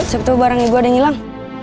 siap tahu barang ibu ada yang hilang